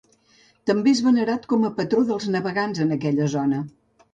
També és venerat com a patró dels navegants en aquella zona.